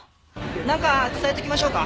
何か伝えときましょうか？